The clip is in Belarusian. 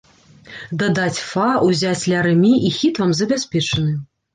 Дадаць фа, узяць ля-рэ-мі, і хіт вам забяспечаны!